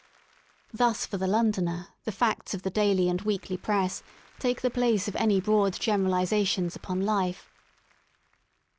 Thus for the Londoner the ''facts'* of the daily and weekly press take the place of any broad generalisations upon life.